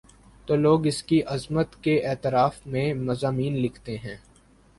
تو لوگ اس کی عظمت کے اعتراف میں مضامین لکھتے ہیں۔